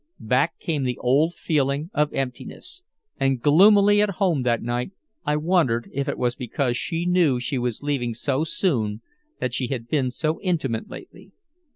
Back came the old feeling of emptiness. And gloomily at home that night I wondered if it was because she knew she was leaving so soon that she had been so intimate lately.